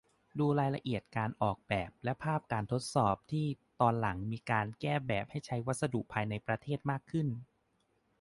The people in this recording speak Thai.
ดูรายละเอียดการออกแบบและภาพการทดสอบที่ ตอนหลังมีการแก้แบบให้ใช้วัสดุภายในประเทศมากขึ้น